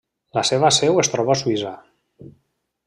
La seva seu es troba a Suïssa.